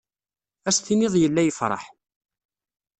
Ad as-tiniḍ yella yefṛeḥ.